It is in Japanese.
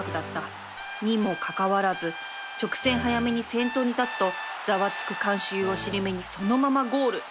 にもかかわらず直線早めに先頭に立つとざわつく観衆を尻目にそのままゴール